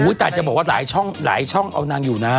อุ้ยแต่จะบอกว่าหลายช่องเอานางอยู่นะ